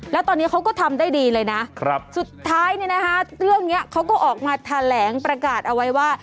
แล้วตอนนี้เขาก็ทำได้ดีเลยนะสุดท้ายเรื่องนี้เขาก็ออกมาแถลงประกาศเอาไว้ว่า